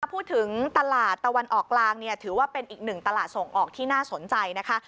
พูดถึงตลาดตะวันออกกลางเนี่ยถือว่าเป็นอีกหนึ่งตลาดส่งออกที่น่าสนใจนะคะ